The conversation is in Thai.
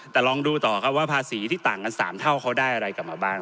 แต่ลองดูต่อครับว่าภาษีที่ต่างกัน๓เท่าเขาได้อะไรกลับมาบ้าง